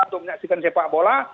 untuk menyaksikan sepak bola